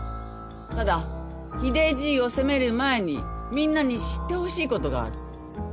ただ秀じいを責める前にみんなに知ってほしいことがある。